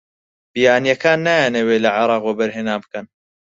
بیانییەکان نایانەوێت لە عێراق وەبەرهێنان بکەن.